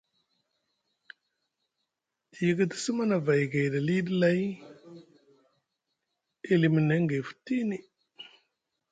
Te yikitisi Manavay gaiɗi aliɗi lay e limi neŋ gay futini.